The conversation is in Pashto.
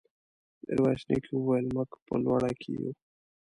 ميرويس نيکه وويل: موږ په لوړه کې يو.